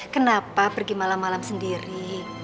kenapa pergi malam malam sendiri